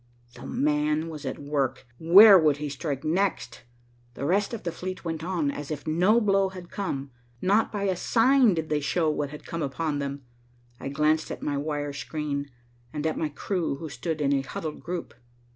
"The man" was at work. Where would he strike next? The rest of the fleet went on, as if no blow had come. Not by a sign did they show what had come upon them. I glanced at my wire screen, and at my crew who stood in a huddled group.